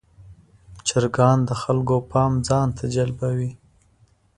چرګان د خلکو پام ځان ته جلبوي.